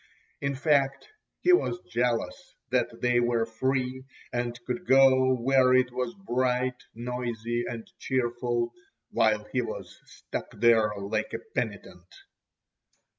In fact, he was jealous that they were free and could go where it was bright, noisy and cheerful, while he was stuck there like a penitent.